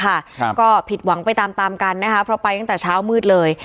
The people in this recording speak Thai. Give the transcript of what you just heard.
ครับก็ผิดหวังไปตามตามกันนะคะเพราะไปตั้งแต่เช้ามืดเลย